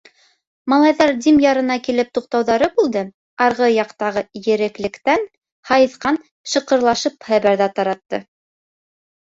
Малайҙар Дим ярына килеп туҡтауҙары булды, арғы яҡтағы ереклектән һайыҫҡан шыҡырлап хәбәр ҙә таратты.